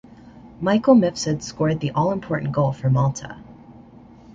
Michael Mifsud scored the all important goal for Malta.